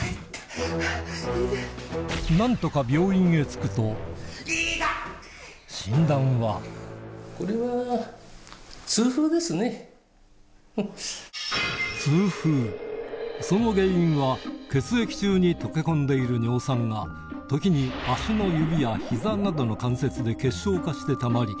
着くと診断はその原因は血液中に溶け込んでいる尿酸が時に足の指や膝などの関節で結晶化してたまり